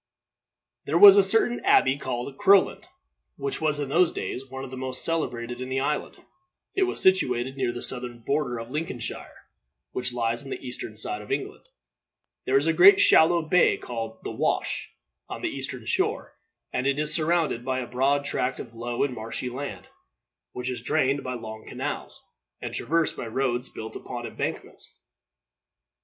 There was a certain abbey, called Crowland, which was in those days one of the most celebrated in the island. It was situated near the southern border of Lincolnshire, which lies on the eastern side of England. There is a great shallow bay, called The Wash, on this eastern shore, and it is surrounded by a broad tract of low and marshy land, which is drained by long canals, and traversed by roads built upon embankments.